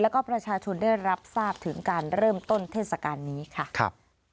แล้วก็ประชาชนได้รับทราบถึงการเริ่มต้นเทศกาลนี้ค่ะครับ